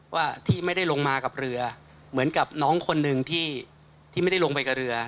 ว่าที่ไม่ได้ลงมากับเรือเหมือนกับน้องคนหนึ่งที่ไม่ได้ลงไปกับเรือ